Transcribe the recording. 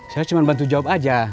saya cuma bantu jawab aja